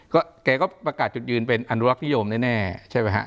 ก็แกก็ประกาศจุดยืนเป็นอนุรักษ์นิยมแน่ใช่ไหมฮะ